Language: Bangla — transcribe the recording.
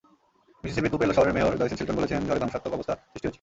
মিসিসিপির তুপেলো শহরের মেয়র জয়সেন শেলটন বলেছেন, ঝড়ে ধ্বংসাত্মক অবস্থা সৃষ্টি হয়েছে।